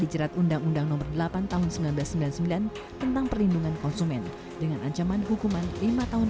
dijual ke pasar pasar yang berada di kabupaten jember dan lumajang